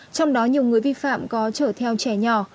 trong đó nhiều người vi phạm có chở theo trẻ nhỏ